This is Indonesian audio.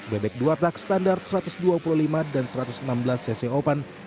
bebek dua tak standar satu ratus dua puluh lima dan satu ratus enam belas cc open